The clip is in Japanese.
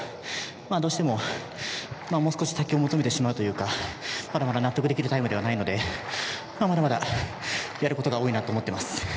まあどうしてももう少し先を求めてしまうというかまだまだ納得できるタイムではないのでまだまだやることが多いなと思ってます